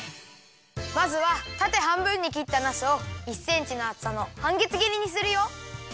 まずはたてはんぶんにきったなすを１センチのあつさのはんげつぎりにするよ。